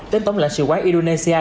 đến tổng lãnh sự quán indonesia